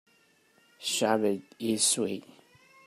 Sherbet is sweet.